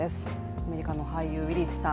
アメリカの俳優・ウィリスさん